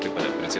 tapi pada saat ini